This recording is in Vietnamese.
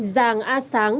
giàng a sáng